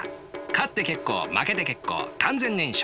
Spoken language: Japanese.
勝って結構負けて結構完全燃焼。